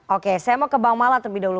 oke saya mau ke bang mala terlebih dahulu